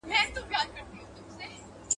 غږ ورو ورو نږدې کېږي.